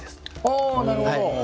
おなるほど。